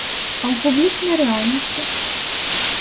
А ў публічнай рэальнасці?